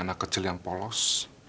anak kecil yang polos